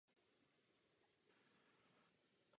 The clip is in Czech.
Obě řady pak vysílala také stanice Smíchov.